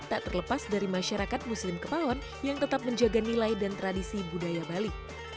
tak terlepas dari masyarakat muslim kemaon yang tetap menjaga nilai dan tradisi budaya bali